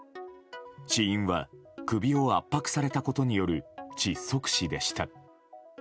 死因は首を圧迫されたことによる窒息死でした。